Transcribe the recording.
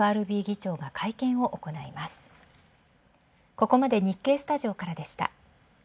ここまで日経スタジオからでした。